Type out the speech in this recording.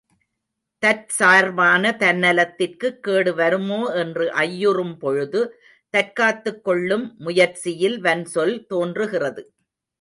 தற்சார்பான தன்னலத்திற்குக் கேடுவருமோ என்று ஐயுறும் பொழுது, தற்காத்துக் கொள்ளும் முயற்சியில் வன்சொல் தோன்றுகிறது.